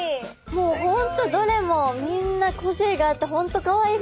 もう本当どれもみんな個性があって本当かわいいですよね。